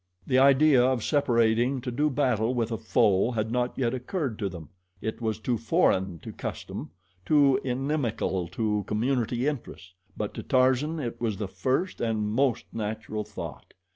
The idea of separating to do battle with a foe had not yet occurred to them it was too foreign to custom, too inimical to community interests; but to Tarzan it was the first and most natural thought.